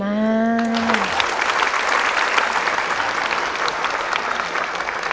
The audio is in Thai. มาก